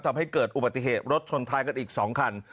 ทำให้เกิดอุบัติเหตุรถชนท้ายกันอีก๒คัน